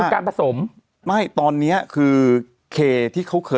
มีสารตั้งต้นเนี่ยคือยาเคเนี่ยใช่ไหมคะ